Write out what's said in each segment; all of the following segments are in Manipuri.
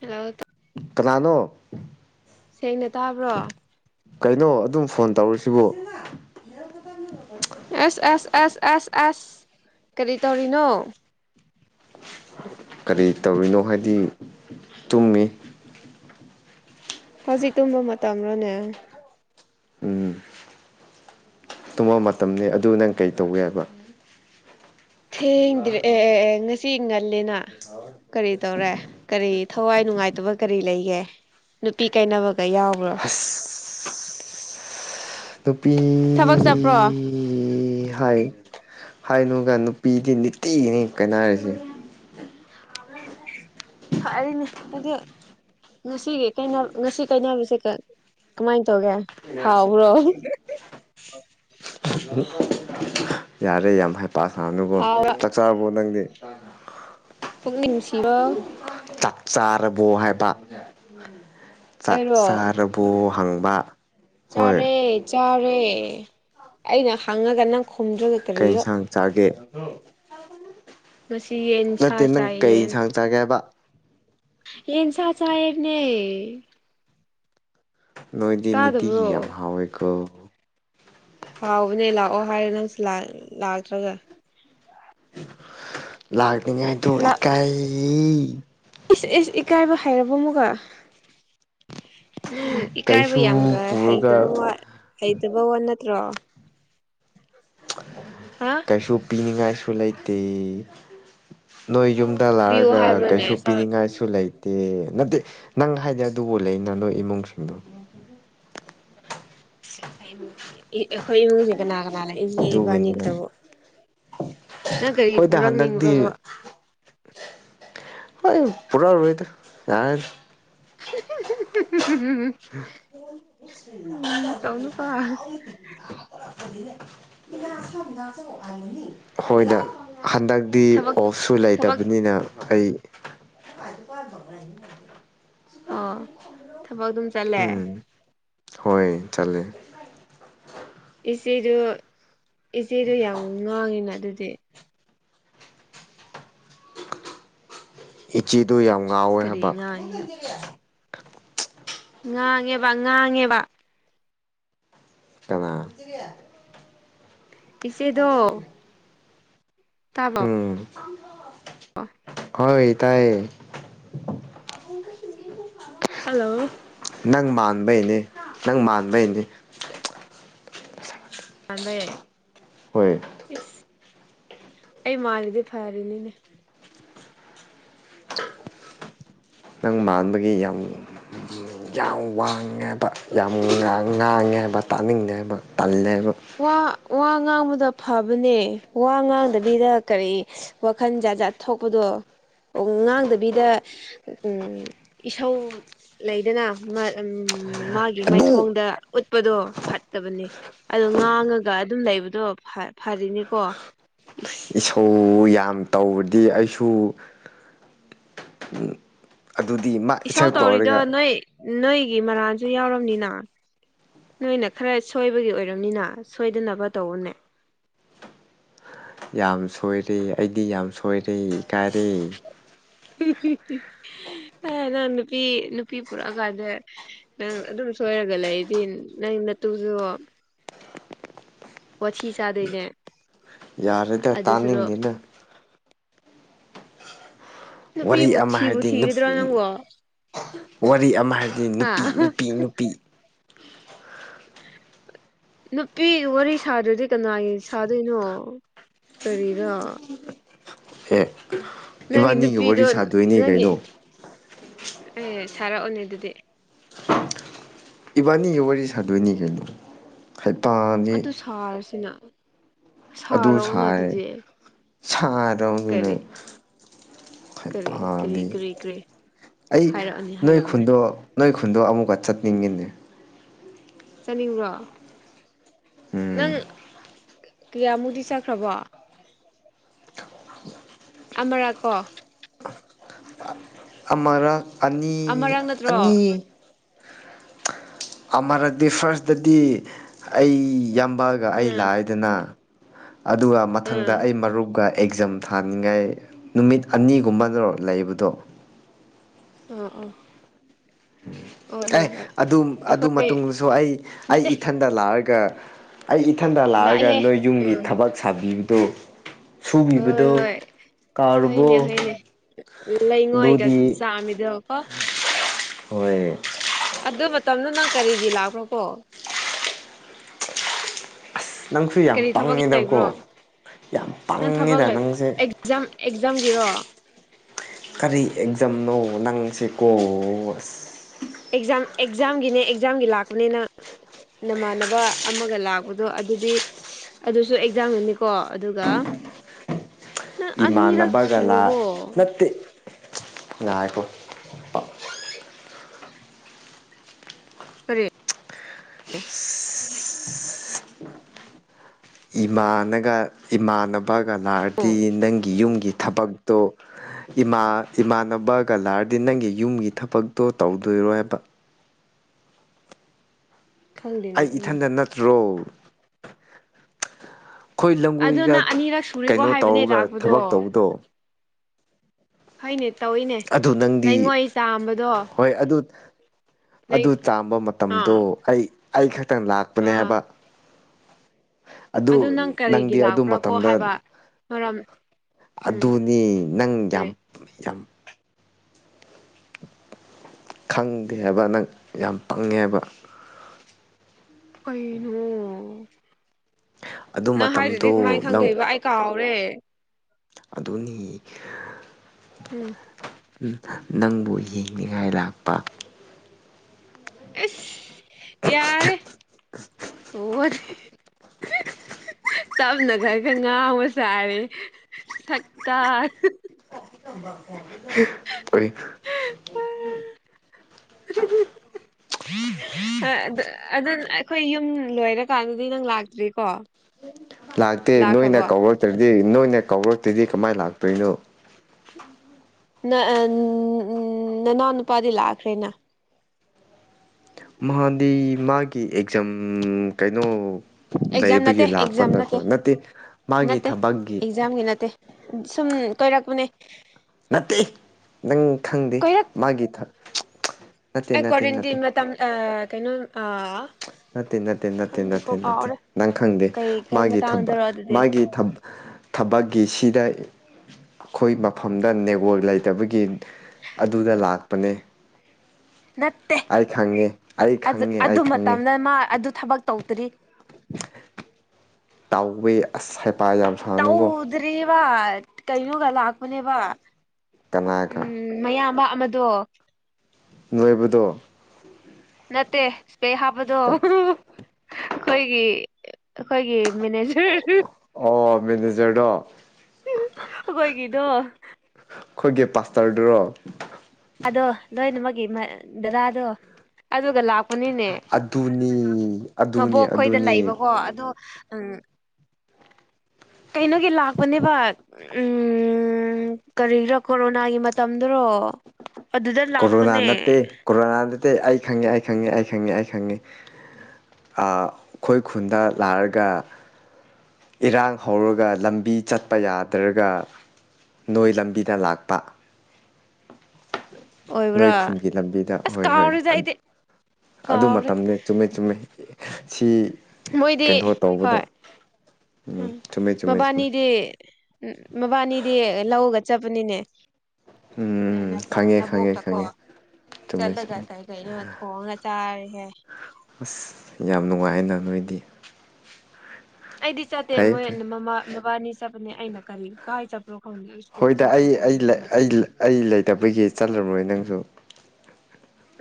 ꯍꯜꯂꯣ ꯀꯅꯥꯥꯅꯣ ꯁꯦꯡꯅ ꯇꯥꯕ꯭ꯔꯣ ꯀꯩꯅꯣ ꯑꯗꯨꯝ ꯐꯣꯟ ꯇꯧꯔꯁꯤꯕꯨ ꯑꯁ ꯑꯁ ꯑꯁ ꯑꯁ ꯑꯁ ꯀꯔꯤ ꯇꯧꯔꯤꯅꯣ ꯀꯔꯤ ꯇꯧꯔꯤꯅꯣ ꯍꯥꯏꯗꯤ ꯇꯨꯝꯃꯤ ꯍꯧꯖꯤꯛ ꯇꯨꯝꯕ ꯃꯇꯝ꯭ꯔꯣꯅꯦ ꯎꯝ ꯇꯨꯝꯃ ꯃꯇꯝꯅꯤ ꯑꯗꯨ ꯅꯪ ꯀꯩ ꯇꯧꯒꯦ ꯍꯥꯏꯕ ꯊꯦꯡꯗ꯭ꯔꯤ ꯑꯦ ꯑꯦ ꯉꯁꯤ ꯉꯜꯂꯤꯅ ꯀꯔꯤ ꯇꯧꯔꯦ ꯀꯔꯤ ꯊꯋꯥꯏ ꯅꯨꯡꯉꯥꯏꯇꯕ ꯀꯔꯤ ꯂꯩꯒꯦ ꯅꯨꯄꯤ ꯀꯩꯅꯕ ꯒ ꯌꯥꯎꯕ꯭ꯔꯥ ꯑꯁ ꯅꯨꯄꯤ ꯊꯕꯛ ꯆꯠꯄ꯭ꯔꯣ ꯍꯥꯏ ꯍꯥꯏꯅꯨꯒ ꯅꯨꯄꯤꯗꯤ ꯅꯤꯇꯤꯅꯤ ꯀꯥꯏꯅꯔꯤꯁꯦ ꯐꯔꯤꯅꯦ ꯑꯗꯨꯗꯤ ꯉꯁꯤꯒꯤꯅ ꯉꯁꯤ ꯀꯩꯅꯕꯤꯁꯦ ꯀꯃꯥꯏ ꯇꯧꯒꯦ ꯍꯥꯎꯕ꯭ꯔꯣ [unintelligible] ꯌꯥꯔꯦ ꯌꯥꯝ ꯍꯩꯄꯥ ꯁꯥꯅꯨꯀ‌ꯣ ꯍꯥꯎꯔ ꯆꯥꯛ ꯆꯔꯕꯣ ꯅꯪꯗꯤ ꯄꯨꯛꯅꯤꯡꯅꯨꯡꯁꯤ ꯋꯥ ꯆꯥꯛ ꯆꯥꯔꯕꯣ ꯍꯥꯏꯕ ꯆꯥꯛ ꯑꯩꯔꯣ ꯆꯥꯔꯕꯣ ꯍꯪꯕ ꯍꯣꯏ ꯆꯥꯔꯦ ꯆꯥꯔꯦ ꯑꯩꯅ ꯍꯪꯉꯒ ꯅꯪ ꯈꯨꯝꯗ꯭ꯔꯒ ꯀꯩ ꯀꯔꯤꯔ ꯏꯟꯁꯥꯡ ꯆꯥꯒꯦ ꯅꯠꯇꯦ ꯌꯦꯟꯁꯥ ꯅꯪ ꯀꯩ ꯏꯟꯁꯥꯡ ꯆꯥꯒꯦ ꯍꯥꯏꯕ ꯌ‌ꯦꯟꯁꯥ ꯆꯥꯏꯍꯥꯏꯕꯅꯦ ꯅꯣꯏꯗꯤ ꯅꯤꯇꯤꯒꯤ ꯌꯥꯝ ꯍꯥꯎꯋꯦꯀꯣ ꯍꯥꯎꯕꯅꯦ ꯂꯥꯛꯑꯣ ꯍꯥꯏꯔꯦ ꯅꯪꯁꯨ ꯂꯥꯛꯇ꯭ꯔꯒ ꯂꯥꯛꯅꯤꯉꯥꯏꯗꯣ ꯏꯀꯥꯏ ꯍꯥꯏꯔꯕꯣ ꯑꯃꯨꯒ ꯅꯪ ꯏꯀꯥꯏꯕ ꯀꯩꯁꯨ ꯌꯥꯝꯒ ꯍꯩꯕ ꯄꯨꯔꯒ ꯍꯩꯇꯕ ꯋꯥ ꯅꯠꯇ꯭ꯔꯣ ꯍꯥ ꯀꯩꯁꯨ ꯄꯤꯅꯤꯡꯉꯥꯏꯁꯨ ꯂꯩꯇꯦ ꯅꯣꯏ ꯌꯨꯝꯗ ꯄꯤꯌꯨ ꯂꯥꯛꯑꯒ ꯀꯩꯁꯨ ꯍꯥꯏꯕ꯭ꯔꯅꯦ ꯄꯤꯅꯤꯡꯉꯥꯏꯁꯨ ꯂꯩ ꯇꯦ ꯅꯠꯇꯦ ꯅꯪ ꯍꯥꯏꯗꯤ ꯑꯗꯨꯕꯨ ꯂꯩ ꯅ ꯅꯣꯏ ꯏꯃꯨꯡꯁꯤꯡꯗꯣ ꯨꯑꯁ ꯑꯩꯈꯣꯏ ꯏꯃꯨꯡꯁꯦ ꯀꯅꯥ ꯀꯅꯥ ꯂꯩ ꯏꯅ‌ꯦ ꯑꯗꯨꯒꯤꯅꯤꯗ ꯏꯕꯥꯅꯤꯈꯛꯇꯕꯨ ꯍꯣꯏꯗ ꯍꯟꯗꯛꯇꯤ ꯍꯣꯏ ꯄꯨꯔꯥꯔ‌ꯏꯗ ꯌꯥ [unintelligible] ꯎꯝ ꯇꯧꯅꯨꯀꯣ [unintelligible] ꯍꯣꯏꯗ ꯍꯟꯗꯛꯇꯤ ꯊꯕꯛ ꯑꯣꯐꯁꯨ ꯊꯕꯛ ꯂꯩꯇꯕꯅꯤꯅ ꯑꯩ ꯑꯣ ꯊꯕꯛ ꯑꯗꯨꯝ ꯆꯠꯂꯦ ꯎꯝ ꯍꯣꯏ ꯆꯂꯦ ꯏꯆꯦꯗꯨ ꯏꯆꯦꯗꯨ ꯌꯥꯝ ꯉꯥꯡꯉꯤꯅ ꯑꯗꯨꯗꯤ ꯏꯆꯦꯗꯨ ꯌꯥꯝ ꯉꯥꯎꯋꯦ ꯀꯔꯤ ꯍꯥꯏꯕ ꯉꯥꯡꯉꯤꯅꯣ ꯉꯥꯡꯉꯦꯕ ꯉꯥꯡꯉꯦꯕ ꯀꯅꯥ ꯏꯆꯦꯗ ꯎꯝ ꯑ ꯍꯣꯏ ꯇꯥꯏꯑꯌꯦ ꯍꯜꯂꯣ ꯅꯪ ꯃꯥꯟꯕꯩꯅꯤ ꯅꯪ ꯃꯥꯟꯕꯩꯅꯤ ꯑꯗꯦ ꯍꯣꯏ ꯑꯩ ꯃꯥꯒꯤꯗꯤ ꯐꯔꯤꯅꯤꯅꯦ [unintelligible] ꯅꯪ ꯃꯥꯟꯕꯒꯤ ꯌꯥꯝ ꯌꯥꯝ ꯋꯥꯡꯉꯦꯕ ꯌꯥꯝ ꯉꯥꯡꯉꯦ ꯍꯥꯏꯕ ꯇꯥꯅꯤꯡꯗꯦ ꯍꯥꯏꯕ ꯇꯜꯂꯦꯕ ꯋꯥ ꯋꯥ ꯉꯥꯡꯕꯗꯣ ꯐꯕꯅꯦ ꯋꯥ ꯉꯥꯡꯗꯕꯤꯗ ꯀꯔꯤ ꯋꯥꯈꯜ ꯖꯥꯖꯥꯠ ꯊꯣꯛꯄꯗꯣ ꯕ [unintelligible] ꯑꯣ ꯉꯥꯡꯗꯕꯤꯗ ꯎꯝ ꯏꯁꯧ ꯂꯩꯗꯅ ꯑꯃ ꯎꯝ ꯎꯝ ꯃꯥꯒꯤ ꯑꯗꯨ ꯃꯥꯏꯊꯣꯡꯗ ꯎꯠꯄꯗꯣ ꯐꯠꯇꯕꯅꯦ ꯑꯗꯣ ꯉꯥꯡꯉꯒ ꯑꯗꯨꯝ ꯂꯩꯕꯗꯣ ꯐ ꯐꯔꯤꯅꯤꯀꯣ ꯏꯁ ꯏꯁꯧ ꯌꯥꯝ ꯇꯧꯕꯗꯤ ꯑꯩꯁꯨ [unintelligible] ꯑꯗꯨꯗꯤ ꯃꯥ ꯏꯁꯧ [unintelligible] ꯇꯧꯔꯤꯗꯣ ꯇꯧꯔꯒ ꯅꯣꯏ ꯅꯣꯏꯒꯤ ꯃꯔꯥꯟꯁꯨ ꯌꯥꯎꯔꯝꯅꯤꯅ ꯅꯣꯏꯅ ꯈꯔ ꯁꯣꯏꯕꯒꯤ ꯑꯣꯏꯔꯝꯅꯤꯅ ꯁꯣꯏꯗꯅꯕ ꯇꯧꯑꯣꯅꯦ [inaudible] ꯌꯥꯝ ꯁꯣꯏꯔꯦ ꯑꯩꯗꯤ ꯌꯥꯝ ꯁꯣꯏꯔꯦ ꯏꯀꯥꯏꯔꯦ [unintelligible] [unintelligible] ꯅꯪ ꯅꯨꯄꯤ ꯅꯨꯄꯤ ꯄꯨꯔꯛꯑ ꯀꯥꯟꯗ ꯅꯪ ꯑꯗꯨꯝ ꯁꯣꯏꯔꯒ ꯂꯩꯗꯤ ꯅꯪ ꯅꯇꯨꯁꯨ [unintelligible] ꯋꯥꯊꯤ ꯆꯥꯗꯣꯏꯅꯦ ꯌꯥꯔꯦꯗꯥ ꯑꯗꯨ ꯁꯔꯨꯛ ꯇꯅꯤꯡꯗꯦ ꯅꯪ ꯋꯥꯔꯤ ꯅꯨꯄꯤꯕꯨ ꯑꯃ ꯊꯤꯕꯨ ꯍꯥꯏꯗꯤ ꯊꯤꯒꯗ꯭ꯔꯣ ꯅꯪꯕꯣ [unintelligible] ꯋꯥꯔꯤ ꯑꯃ ꯍꯥꯏꯕꯗꯤ ꯍꯥ ꯅꯨꯄꯤ ꯅꯨꯄꯤ ꯅꯨꯄꯤ ꯅꯨꯄꯤ ꯋꯥꯔꯤ ꯁꯥꯗ꯭ꯔꯗꯤ ꯀꯅꯥꯒꯤ ꯁꯥꯗꯣꯏꯅꯣ ꯀꯔꯤꯔꯥ ꯑꯦ ꯅꯪꯒꯤ ꯏꯕꯥꯅꯤꯒꯤ ꯋꯥꯔꯤ ꯅꯨꯄꯤꯗꯣ ꯁꯥꯗꯣꯏꯅꯦ ꯅꯪꯒꯤ ꯀꯩꯅꯣ ꯑꯦ ꯁꯥꯔꯛꯑꯣꯅꯦ ꯑꯗꯨꯗꯤ ꯏꯕꯥꯅꯤꯒꯤ ꯋꯥꯔꯤ ꯁꯥꯗꯣꯏꯅꯤ ꯀꯩꯅꯣ ꯍꯩꯄꯥꯗꯤ ꯑꯗꯨ ꯁꯥꯔꯁꯤꯅ ꯑꯗꯨ ꯁꯥꯔꯛꯑꯣꯅ ꯁꯥꯔꯦ ꯑꯗꯨꯗꯤ ꯀꯔꯤ [unintelligible] ꯀꯔꯤ ꯀꯔꯤ ꯍꯩꯄꯥꯗꯤ ꯀꯔꯤ ꯀꯔꯤ ꯑꯩ ꯍꯥꯏꯔꯛꯑꯣꯅꯦ ꯅꯣꯏ ꯍꯥꯏꯔꯛꯑꯣꯅꯦ ꯈꯨꯟꯗꯣ ꯅꯣꯏ ꯈꯨꯟꯗꯣ ꯑꯃꯨꯛꯀ ꯆꯠꯅꯤꯡꯉꯤꯅꯦ ꯆꯠꯅꯤꯡꯕ꯭ꯔꯣ ꯎꯝ ꯅꯪ ꯀꯌꯥꯝꯃꯨꯛꯗꯤ ꯆꯠꯈ꯭ꯔꯕꯣ ꯑꯃꯔꯛꯀꯣ ꯑꯃꯔꯛ ꯑꯅꯤ ꯑꯃꯔꯛ ꯑꯅꯤ ꯅꯠꯇ꯭ꯔꯣ ꯑꯃꯔꯛꯇꯤ ꯐꯥꯔꯁꯇꯗꯤ ꯑꯩ ꯌꯥꯝꯕꯒ ꯑꯩ ꯎꯝ ꯂꯥꯛꯑꯦꯗꯅꯥ ꯑꯗꯨꯒ ꯃꯊꯪꯗ ꯎꯝ ꯑꯩ ꯃꯔꯨꯞꯒ ꯑꯦꯛꯖꯥꯝ ꯊꯥꯅꯤꯡꯉꯥꯏ ꯅꯨꯃꯤꯠ ꯑꯅꯤꯒꯨꯝꯕꯅꯔꯣ ꯂꯩꯕꯗꯣ ꯑꯥ ꯑꯥ ꯑꯦ ꯑꯗꯨꯝ ꯑꯗꯨ ꯑꯩꯈꯣꯏ ꯃꯇꯨꯡꯗꯁꯨ ꯑꯩ ꯑꯩ ꯅꯠꯇꯦ ꯏꯊꯟꯗ ꯂꯥꯛꯑꯒ ꯑꯗꯨꯒ ꯑꯩ ꯏꯊꯟꯇ ꯂꯥꯛꯑꯒ ꯂꯥꯛꯑꯦꯍꯦ ꯅꯣꯏ ꯌꯨꯝꯒꯤ ꯎꯝ ꯊꯕꯛ ꯁꯥꯕꯤꯕꯗꯨ ꯍꯣꯏ ꯁꯨꯕꯤꯕꯗꯨ ꯍꯣꯏ ꯍꯣꯏꯅꯦ ꯍꯣꯏꯅꯦ ꯂꯩꯉꯣꯏꯒ ꯑꯗꯨꯗꯤ ꯆꯥꯝꯃꯤꯗꯣꯀꯣ ꯍꯣꯏ ꯑꯗꯨ ꯃꯇꯝꯗ ꯅꯪ ꯀꯔꯤꯒꯤ ꯂꯥꯛꯄꯥ꯭ꯔꯀꯣ ꯑꯁ ꯅꯪꯁꯨ ꯌꯥꯝ ꯀꯔꯤ ꯊꯕꯛ ꯄꯪꯉꯤꯗꯀꯣ ꯂꯩꯕ꯭ꯔꯣ ꯌꯥꯝ ꯅꯪ ꯊꯕꯛ ꯄꯪꯉꯤꯗ ꯂꯩ ꯅꯪꯁꯦ ꯑꯦꯛꯖꯥꯝ ꯑꯦꯛꯖꯥꯝꯒꯤꯔꯣ ꯀꯔꯤ ꯑꯦꯛꯖꯥꯝꯅꯣ ꯅꯪꯁꯦꯀꯣ ꯑꯁ ꯑꯦꯛꯖꯥꯝ ꯑꯦꯛꯖꯥꯝꯒꯤꯅꯦ ꯑꯦꯛꯖꯥꯝꯒꯤ ꯂꯥꯛꯄꯅꯦ ꯅꯪ ꯅꯃꯥꯟꯅꯕ ꯑꯃꯒ ꯂꯥꯛꯄꯗꯣ ꯑꯗꯨꯗꯤ ꯑꯗꯨꯁꯨ ꯑꯦꯛꯖꯥꯝꯒꯤꯅꯦꯀꯣ ꯑꯗꯨꯒ [inaudible] ꯑꯅꯤꯔꯛ ꯏꯃꯥꯟꯅꯕꯒ ꯂꯥꯛ ꯁꯨꯔꯕꯣ ꯅꯠꯇꯦ ꯥꯏꯈꯣ ꯑ ꯀ ꯏꯃꯥꯅꯒ ꯏꯃꯥꯟꯅꯕꯒ ꯂꯥꯔꯗꯤ ꯅꯪꯒꯤ ꯌꯨꯝꯒꯤ ꯊꯕꯛꯇꯣ ꯃꯥ ꯏꯃꯥꯟꯅꯕꯒ ꯂꯥꯔꯗꯤ ꯅꯪꯒꯤ ꯌꯨꯝꯒꯤ ꯊꯕꯛꯇꯣ ꯇꯧꯗꯣꯏꯔꯣꯏꯕ ꯈꯪꯗꯦꯅ ꯑꯩ ꯑꯩꯅ ꯏꯊꯟꯗ ꯅꯠꯇ꯭ꯔꯣ ꯑꯩꯈꯣꯏ ꯑꯗꯣ ꯂꯝꯒꯣꯏꯒ ꯅꯪ ꯑꯅꯤꯔꯛ ꯁꯨꯔꯦꯀꯣ ꯀꯩꯅꯣ ꯍꯥꯏꯕꯅꯦ ꯇꯧꯔꯒ ꯂꯥꯛꯄꯗꯣ ꯊꯕꯛ ꯇꯧꯕꯗꯣ ꯐꯩꯅꯦ ꯇꯧꯏꯅꯦ ꯑꯗꯨ ꯅꯪꯗꯤ ꯂꯩꯉꯣꯏ ꯆꯥꯝꯕꯗꯣ ꯍꯣꯏ ꯑꯗꯨ ꯂꯩ ꯑꯗꯨ ꯆꯥꯝꯕ ꯃꯇꯝꯗꯣ ꯑꯥ ꯑꯩ ꯑꯩ ꯈꯛꯇꯪ ꯂꯥꯛꯄꯅꯦ ꯑꯥ ꯍꯥꯏꯕ ꯑꯗꯨ ꯅꯪ ꯀꯔꯤꯒꯤ ꯅꯪꯗꯤ ꯑꯗꯨ ꯂꯥꯛꯄ꯭ꯔꯥ ꯀꯣ ꯃꯇꯝꯗ ꯍꯥꯏꯕ ꯃꯔꯝ ꯎꯝ ꯑꯗꯨꯅꯤ ꯅꯪ ꯌꯥꯝ ꯀꯔꯤ ꯌꯥꯝ ꯈꯪꯗꯦ ꯍꯥꯏꯕ ꯅꯪ ꯌꯥꯝ ꯄꯪꯉꯦ ꯍꯥꯏꯕ ꯀꯩꯅꯩꯅ ꯑꯗꯨ ꯅꯪ ꯍꯥꯏꯗꯨꯗꯤ ꯀꯃꯥꯏꯅ ꯃꯇꯝꯗꯣ ꯅꯪ ꯈꯪꯗꯩꯕ ꯑꯩ ꯀꯥꯎꯍꯥꯎꯔꯦ ꯑꯗꯨꯅꯤ ꯑꯥ ꯅꯪꯕꯨ ꯌꯦꯡꯅꯤꯡꯉꯥꯏ ꯂꯥꯛꯄ ꯌꯥꯔ ꯍꯗꯤ ꯇꯞꯅ ꯈꯔ ꯈꯔ ꯉꯥꯎꯉ ꯁꯥꯔꯦ ꯁꯇꯥꯔ ꯑꯣꯏꯔꯤ ꯎꯝ ꯑꯗꯨ ꯑꯩꯈꯣꯏ ꯌꯨꯝ ꯂꯣꯏꯔꯀꯥꯟꯗꯗꯤ ꯅꯪ ꯂꯥꯛꯇ꯭ꯔꯤꯀꯣ ꯂꯥꯛꯇꯦ ꯅꯣꯏꯅ ꯂꯥꯛꯈ꯭ꯔꯕꯣ ꯀꯧꯔꯛꯇ꯭ꯔꯗꯤ ꯅꯣꯏꯅ ꯀꯧꯔꯛꯇ꯭ꯔꯗꯤ ꯀꯃꯥꯏ ꯂꯥꯛꯇꯣꯏꯅꯣ ꯅꯅꯥꯎ ꯅꯨꯄꯥꯗꯤ ꯂꯥꯛꯈ꯭ꯔꯦꯅ ꯃꯥꯥꯟꯗꯤ ꯃꯥꯒꯤ ꯑꯦꯛꯖꯥꯝ ꯀꯩꯅꯣ ꯑꯦꯛꯖꯥꯝ ꯅꯠꯇꯦ ꯂꯩꯕꯒꯤ ꯂꯥꯛꯄ ꯑꯦꯛꯖꯥꯝ ꯅꯠꯇ꯭ꯔꯣ ꯅꯠꯇꯦ ꯃꯥꯒꯤ ꯅꯠꯇꯦ ꯊꯕꯛꯀꯤ ꯑꯦꯛꯖꯥꯝꯒꯤ ꯅꯠꯇꯦ ꯁꯨꯝ ꯀꯣꯏꯔꯛꯄꯅꯦ ꯅꯠꯇꯦ ꯅꯪ ꯈꯪꯗꯦ ꯀꯣꯏꯔꯛ ꯃꯥꯒꯤ ꯊꯛ ꯑꯦ ꯀꯦꯟꯗꯤ ꯑ ꯀꯩꯅꯣ ꯋꯥꯥ ꯅꯠꯇꯦ ꯅꯠꯇꯦ ꯅꯠꯇꯦ ꯅꯠꯇꯦ ꯅꯠꯇꯦ ꯅꯪ ꯈꯪꯗꯦ ꯀꯩ ꯀꯩ ꯃꯥꯒꯤ ꯊꯕꯛ ꯃꯇꯥꯡꯗꯔꯣ ꯑꯗꯨꯗꯤ ꯃꯥꯒꯤ ꯊꯕꯛ ꯒꯦꯁꯤꯗ ꯑꯩꯈꯣꯏ ꯃꯐꯝꯗ ꯅꯦꯋꯥꯛ ꯂꯩꯇꯕꯒꯤ ꯑꯗꯨꯗ ꯂꯥꯛꯄꯅꯦ ꯅꯠꯇꯦ ꯑꯩ ꯈꯪꯉꯦ ꯑꯩ ꯈꯪꯉꯦ ꯑꯩ ꯑꯗꯨ ꯈꯪꯉꯦ ꯃꯇꯝꯗ ꯃꯥ ꯑꯗꯨ ꯊꯕꯛ ꯇꯧꯗ꯭ꯔꯤ ꯇꯥꯎꯋꯦ ꯑꯁ ꯌꯥꯝ ꯁꯥꯅꯨꯀꯣ ꯇꯧꯗ꯭ꯔꯤꯔꯤꯕ ꯀꯩꯅꯣꯒ ꯂꯥꯛꯄꯅꯦꯕ ꯀꯅꯥꯒ ꯃꯗꯣ ꯅꯣꯏꯕꯗ ꯅꯠꯇꯦ ꯏꯁꯄꯦ ꯍꯥꯞꯄꯗꯣ ꯑꯩꯈꯣꯏꯒꯤ ꯑꯩꯈꯣꯏꯒꯤ ꯃꯅꯦꯖꯔ ꯑꯣ ꯃꯦꯅꯦꯖꯔꯗꯣ ꯀꯣꯏ ꯀꯤꯗꯣ ꯑꯩꯈꯣꯏꯒꯤ ꯄꯥꯁꯇꯔꯗꯨꯔꯣ ꯑꯗꯣ ꯂꯣꯏꯅꯃꯛꯒꯤ ꯗꯗꯥꯗꯣ ꯑꯗꯨ ꯑꯗꯨꯒ ꯂꯥꯛꯄꯅꯤꯅꯦ ꯑꯗꯨꯅꯤ ꯑꯗꯨꯅꯤ ꯃꯕꯣꯛꯈꯣꯏꯗ ꯑꯗꯨꯅꯤ ꯂꯩꯕꯀꯣ ꯑꯗ ꯑꯪ ꯀꯩꯅꯣꯒꯤ ꯂꯥꯛꯄꯅꯦꯕ ꯎ ꯀꯔꯤꯒꯤꯔꯥ ꯀꯣꯔꯣꯅꯥꯒꯤ ꯃꯇꯝꯗꯨꯔꯣ ꯑꯣ ꯀꯣꯔꯣꯅꯥ ꯅꯠꯇꯦ ꯀꯣꯔꯣꯅꯥ ꯅꯠꯇꯦ ꯑꯩ ꯈꯪꯉꯦ ꯑꯩ ꯈꯪꯉꯦ ꯑꯩ ꯈꯪꯉꯦ ꯑꯩ ꯈꯪꯉꯦ ꯑꯩꯈꯣꯏ ꯈꯨꯟꯗ ꯂꯥꯛꯑꯒ ꯏꯔꯥꯡ ꯍꯧꯔꯒ ꯂꯝꯕꯤ ꯆꯠꯄ ꯌꯥꯗ꯭ꯔꯒ ꯅꯣꯏ ꯂꯝꯕꯤꯗ ꯂꯥꯛꯄ [inaudible] ꯅꯣꯏ ꯑꯣꯏꯕ꯭ꯔꯥ ꯈꯨꯟꯒꯤ ꯂꯝꯕꯤꯗ ꯑꯁ ꯍꯣꯏ ꯍꯣꯏ ꯀꯥꯎꯔꯦꯗ ꯑꯩꯗꯤ ꯑꯗꯨ ꯀꯥꯎꯔꯦ ꯃꯇꯝꯅꯦ ꯆꯨꯝꯃꯦ ꯆꯨꯝꯃꯦ ꯁꯤ ꯃꯣꯏꯗꯤ ꯀꯩꯅꯣ ꯍꯣꯏ ꯇꯧꯕꯗ ꯑ ꯎꯝ ꯆꯨꯝꯃꯦ ꯆꯨꯝꯃꯦ ꯆꯨꯝꯃꯦ ꯃꯕꯥꯅꯤꯗꯤ ꯃꯕꯥꯅꯤꯗꯤ ꯂꯧꯔꯒ ꯆꯠꯄꯅꯤꯅꯦ ꯎꯝ ꯈꯪꯉꯦ ꯈꯪꯉꯦ ꯅꯕꯣꯛꯀꯀꯣ ꯈꯪꯉꯦ ꯆꯨꯝꯃꯦ ꯆꯠꯂꯒ ꯆꯨꯝꯃꯦ ꯀꯩ ꯀꯩꯅꯣ ꯊꯣꯡꯉꯒ ꯆꯥꯔꯦꯍꯦ ꯑꯁ ꯌꯥꯝ ꯅꯨꯡꯉꯥꯏ ꯅꯨꯡꯉꯥꯏꯅ ꯅꯣꯏꯗꯤ ꯑꯩꯗꯤ ꯆꯠꯇꯦ ꯐꯩ ꯃꯣꯏ ꯐꯩ ꯃꯃꯥ ꯕꯕꯥꯅꯤ ꯆꯠꯄꯅꯦ ꯑꯩꯅ ꯀꯔꯤ ꯀꯥꯏ ꯆꯠꯄ ꯍꯣꯏꯗ ꯑꯩ ꯑꯩ ꯂꯩꯇꯕꯒꯤ ꯆꯠꯂ꯭ꯔꯣꯏ ꯅꯪꯁꯨ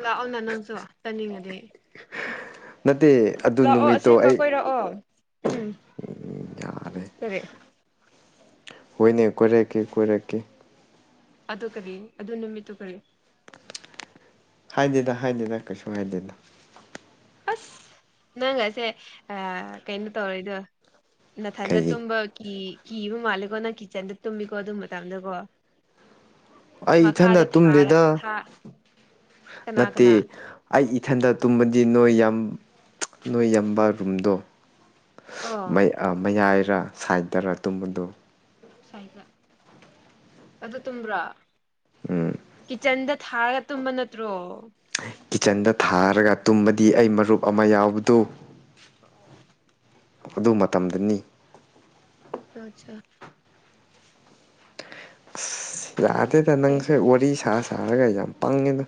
ꯂꯥꯛꯑꯣꯅ ꯅꯪꯁꯨ ꯆꯠꯅꯤꯡꯉꯗꯤ ꯅꯠꯇꯦ ꯑꯗꯨ ꯂꯥꯛꯑꯣ ꯅꯨꯃꯤꯠꯇꯣ ꯑꯁꯦꯡꯕ ꯑꯩ ꯀꯣꯏꯔꯛꯑꯣ ꯎꯝ ꯌꯥꯔꯦ ꯁꯔ ꯍꯣꯏꯅꯦ ꯀꯣꯏꯔꯛꯀꯦ ꯀꯣꯏꯔꯛꯀꯦ ꯑꯗꯨ ꯀꯔꯤ ꯑꯗꯨ ꯅꯨꯃꯤꯠꯇꯨ ꯀꯔꯤ ꯍꯥꯏꯗꯦꯗ ꯍꯥꯏꯗꯦꯗ ꯀꯩꯁꯨ ꯍꯥꯏꯗꯦꯗ ꯑꯁ ꯅꯪꯒꯁꯦ ꯀꯩꯅꯣ ꯇꯧꯔꯣꯏꯗꯣ ꯅꯊꯥꯖ ꯀꯩ ꯇꯨꯝꯝꯕꯒꯤ ꯀꯤꯕ ꯃꯥꯜꯂꯦꯀꯣ ꯅꯪ ꯀꯤꯠꯆꯟꯗ ꯇꯨꯝꯃꯤꯀꯣ ꯑꯗꯨ ꯃꯇꯥꯡꯗꯀꯣ ꯑꯩ ꯏꯊꯟꯗ ꯇꯨꯝꯗꯦꯗ ꯀꯅꯥ ꯅꯠꯇꯦ ꯀꯅꯥ ꯑꯩ ꯏꯊꯟꯗ ꯇꯨꯝꯃꯗꯤ ꯅꯣꯏ ꯌꯥꯝ ꯅꯣꯏ ꯌꯥꯝꯕ ꯔꯨꯝꯗꯣ ꯑꯣ ꯃꯌꯥꯏꯔ ꯁꯥꯏꯠꯇꯔ ꯇꯨꯝꯕꯗꯣ ꯗ ꯑ ꯇ꯭ꯔꯥ ꯎꯝ ꯀꯤꯆꯟꯗ ꯊꯥꯔꯒ ꯇꯨꯝꯝꯕ ꯅꯠꯇ꯭ꯔꯣ ꯀꯤꯠꯆꯟꯗ ꯊꯥꯔꯒ ꯇꯨꯝꯃꯗꯤ ꯑꯩ ꯃꯔꯨꯞ ꯑꯃ ꯌꯥꯎꯕꯗꯨ ꯑꯣ ꯑꯗꯨ ꯃꯇꯝꯗꯅꯤ ꯑꯆꯥ ꯑꯁ ꯌꯥꯗꯦꯗ ꯅꯪꯁ ꯋꯥꯔꯤ ꯁꯥ ꯁꯥꯔꯒ ꯌꯥꯝ ꯄꯪꯉꯤꯗꯣ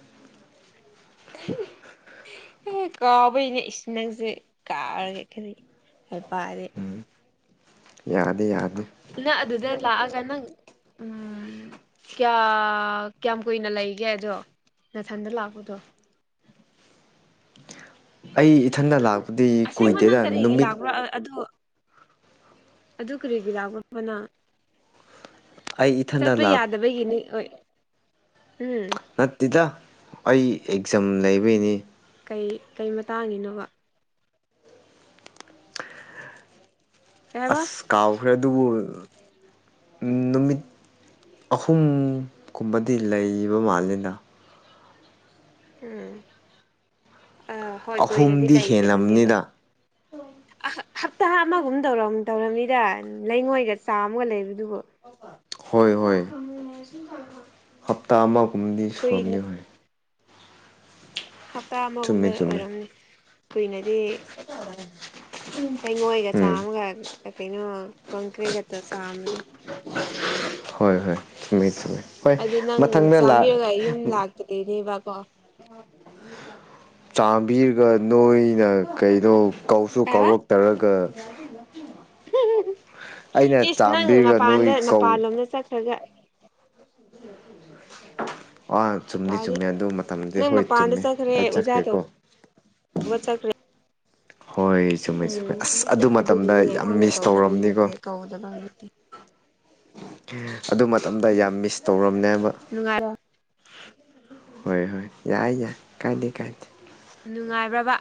ꯑꯦ ꯀꯥꯎꯕꯒꯤꯅꯦ ꯏꯁꯤꯡ ꯅꯪꯁꯦ ꯀꯥꯔꯒꯦ ꯈꯜꯂꯤ ꯍꯥꯏ ꯄꯔꯦ ꯌꯥꯗꯦ ꯌꯥꯗꯦ ꯏ ꯑꯗꯨꯗ ꯂꯥꯛꯑꯒ ꯅꯪ ꯎ ꯀꯌꯥ ꯀꯌꯥꯝ ꯀꯨꯏꯅ ꯂꯩꯒꯦ ꯑꯗꯣ ꯅꯥꯊꯟꯗ ꯂꯥꯛꯄꯗꯣ ꯑꯩ ꯏꯊꯟꯗ ꯅꯪ ꯂꯥꯛꯄꯗꯤ ꯑꯁꯦꯡꯕ ꯀꯨꯏꯗꯦꯗ ꯅꯪ ꯀꯔꯤꯒꯤ ꯅꯨꯃꯤꯠ ꯂꯥꯛꯄ꯭ꯔꯣ ꯑꯗꯨ ꯑꯗꯨ ꯀꯔꯤꯒꯤ ꯂꯥꯛꯒꯕꯅ ꯑꯩ ꯏꯊꯟꯗ ꯆꯠꯄ ꯂꯥꯛ ꯌꯥꯗꯕꯒꯤꯅꯤ ꯍꯣꯏ ꯅꯠꯇꯦꯗ ꯑꯩ ꯑꯦꯛꯖꯥꯝ ꯂꯩꯕꯩꯅꯤ ꯀꯩ ꯀꯩ ꯃꯇꯥꯡꯉꯤꯅꯣꯕ ꯀꯩ ꯍꯥꯏꯕ ꯑꯁ ꯀꯥꯎꯈ꯭ꯔꯦ ꯑꯗꯨꯕꯨ ꯅꯨꯃꯤꯠ ꯑꯍꯨꯝꯒꯨꯝꯕꯗꯤ ꯂꯩꯕ ꯃꯥꯜꯂꯤꯅ ꯎꯝ ꯑ ꯍꯣꯏ ꯀꯣꯏꯏꯔꯗꯤ ꯑꯍꯨꯝꯗꯤ ꯂꯩꯇꯕꯅꯦꯕ ꯍꯦꯜꯂꯝꯅꯤꯗ ꯑ ꯍꯞꯇꯥ ꯑꯃꯒꯨꯝ ꯇꯧ ꯇꯧꯔꯝꯅꯤꯗ ꯂꯩꯉꯣꯏꯒ ꯆꯥꯃꯒ ꯂꯩꯕꯗꯨꯕꯨ ꯍꯣꯏ ꯍꯣꯏ ꯍꯞꯇꯥ ꯑꯃꯒꯨꯝꯗꯤ ꯀꯨꯏꯅ ꯁꯨꯝꯅꯤ ꯍꯣꯏ ꯍꯞꯇꯥ ꯆꯨꯝꯃꯦ ꯑꯃꯒꯨꯝꯕ ꯆꯨꯝꯃꯦ ꯑꯣꯏꯔꯝꯃꯤ ꯀꯨꯏꯅꯗꯤ ꯇꯉꯣꯏꯒ ꯎꯝ ꯆꯥꯝꯃꯒ ꯀꯩꯅꯣ ꯀꯪꯀ꯭ꯔꯔꯤꯒ ꯆꯥꯃꯗ ꯍꯣꯏ ꯍꯣꯏ ꯁꯤꯃꯦꯁꯤꯃꯦ ꯍꯣꯏ ꯑꯗꯨ ꯅꯪ ꯃꯊꯪꯗ ꯂꯥꯛ ꯆꯥꯝꯕꯤꯔꯒ ꯌꯨꯝ ꯂꯥꯛꯇ꯭ꯔꯤꯅꯦꯕꯀꯣ ꯆꯥꯕꯤꯔꯒ ꯅꯣꯏꯅ ꯀꯩꯅꯣ ꯀꯧꯁꯨ ꯀꯩꯕ ꯀꯧꯔꯛꯇꯔꯒ ꯑꯩꯅ ꯏꯁ ꯅꯪ ꯆꯥꯝꯕꯤꯔꯒ ꯃꯄꯥꯟꯗ ꯅꯣꯏ ꯀꯧ ꯃꯄꯥꯟꯂꯣꯝꯗ ꯆꯠꯈ꯭ꯔꯒ ꯑꯥ ꯆꯨꯝꯗꯤ ꯍꯥꯏꯄꯥꯗꯤ ꯆꯨꯝꯃꯦ ꯑꯗꯨ ꯃꯇꯝꯗꯤ ꯅꯪ ꯍꯣꯏ ꯃꯄꯥꯟꯗ ꯆꯨꯝꯃꯦ ꯆꯠꯈ꯭ꯔꯦ ꯑꯩ ꯑꯣꯖꯥ ꯇ ꯆꯠꯈ꯭ꯔꯦꯀꯣ ꯍꯕ ꯆꯀ꯭ꯔꯦ ꯍꯣꯏ ꯆꯨꯝꯃꯦꯩ ꯆꯨꯝꯃꯩ ꯑꯁ ꯑꯗꯨ ꯃꯇꯝꯗ ꯑꯗꯨꯒꯤꯅꯦ ꯌꯥꯝ ꯑꯩꯈꯣꯏꯅ ꯃꯤꯁ ꯀꯧꯗꯕꯒꯤ ꯇꯧꯔꯕꯝꯅꯤꯀꯣ ꯅꯠꯇꯦ ꯀꯧꯗꯕꯒꯤ ꯅꯠꯇꯦ ꯑꯗꯨ ꯃꯇꯝꯗ ꯌꯥꯝ ꯃꯤꯁ ꯇꯧꯔꯝ ꯅꯨꯡꯉꯥꯏꯔꯣ ꯍꯣꯏ ꯍꯣꯏ ꯌꯥꯏ ꯌꯥꯏ ꯀꯥꯏꯗ ꯀꯥꯏꯗ ꯅꯨꯡꯉꯥꯏꯕ꯭ꯔꯕ